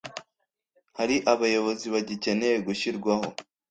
Hari abayobozi bagikeneye gushyirwaho